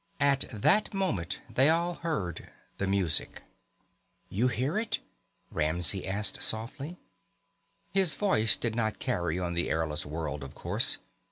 At that moment they all heard the music. "You hear it?" Ramsey asked softly. His voice did not carry on the airless world, of course.